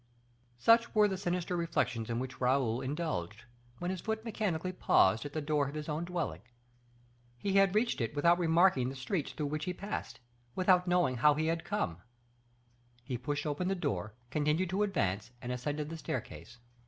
Such were the sinister reflections in which Raoul indulged, when his foot mechanically paused at the door of his own dwelling. He had reached it without remarking the streets through which he passed, without knowing how he had come; he pushed open the door, continued to advance, and ascended the staircase.